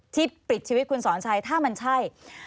ปิดชีวิตคุณสอนชัยถ้ามันใช่